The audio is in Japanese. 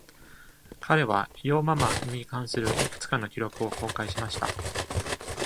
彼は Yo Mama に関するいくつかの記録を公開しました。